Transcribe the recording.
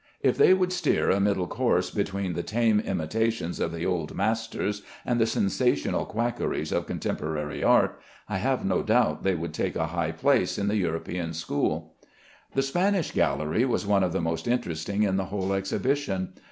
If they would steer a middle course between the tame imitations of the old masters and the sensational quackeries of contemporary art, I have no doubt they would take a high place in the European school. The Spanish gallery was one of the most interesting in the whole exhibition.